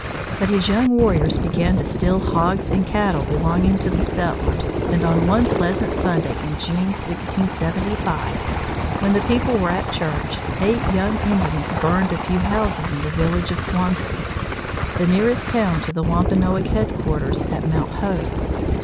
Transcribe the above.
But his young warriors began to steal hogs and cattle belonging to the settlers, and on one pleasant Sunday in June, 1675, when the people were at church, eight young Indians burned a few houses in the village of Swansea, the nearest town to the Wampanoag headquarters at Mount Hope.